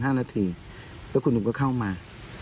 สัก๕นาทีแล้วคุณลุงก็เข้ามา